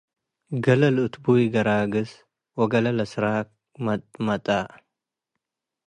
ገሌ ለአትቡይ ገራግስ ወገሌ ለስራክ መጥመጠ